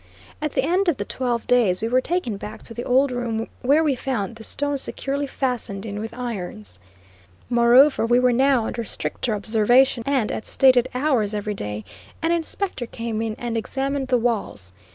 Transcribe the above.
At the end of the twelve days we were taken back to the old room where we found the stone securely fastened in with irons. Moreover, we were now under stricter observation, and at stated hours every day, an inspector came in and examined the walls.